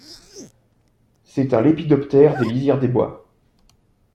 C'est un lépidoptère des lisières des bois.